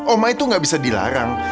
oma itu nggak bisa dilarang